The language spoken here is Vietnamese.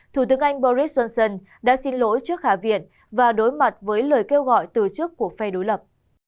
thủ tướng anh boris johnson đã xin lỗi trước hạ viện và đối mặt với lời kêu gọi từ chức của phe đối lập